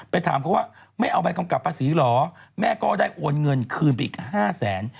ถามเขาว่าไม่เอาใบกำกับภาษีเหรอแม่ก็ได้โอนเงินคืนไปอีก๕แสน